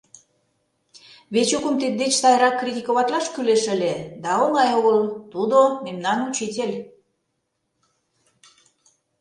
Вечукым тиддеч сайрак критиковатлаш кӱлеш ыле, да оҥай огыл, тудо — мемнан учитель.